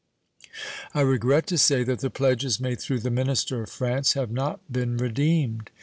I regret to say that the pledges made through the minister of France have not been redeemed.